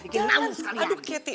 jangan aduh kety